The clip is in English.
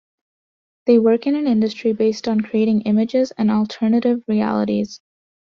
They work in an industry based on creating images and alternative realities.